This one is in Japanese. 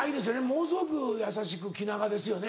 ものすごく優しく気長ですよね？